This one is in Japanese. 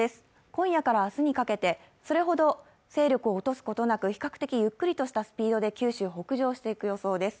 今夜から明日にかけて、それほど勢力を落とすことなく比較的ゆっくりとしたスピードで九州を北上していく予想です。